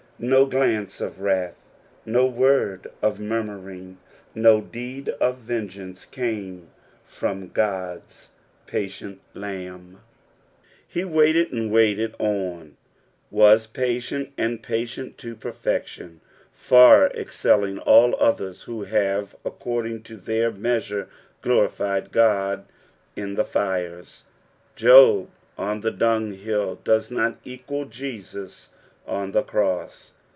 No glance of wrath, no word of murmuring, no deed of Tengeance came from Ood's patient Lamb ; he waited and waited on ; was patjent, and patient to pt rfection, far excelling all others who have according to their measure glorifieil Qod in the fires. Job on the dunghill does not eqii^ Jesus on the cross.